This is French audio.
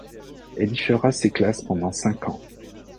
Elle y fera ses classes pendant cinq ans.